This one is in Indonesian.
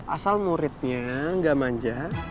asal muridnya gak manja